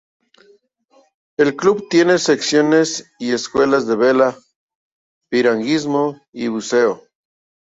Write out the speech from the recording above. El club tiene secciones y escuelas de vela, piragüismo y buceo.